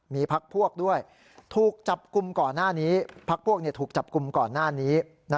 มีพรรคพวกด้วยถูกจับกลุ่มก่อนหน้านี้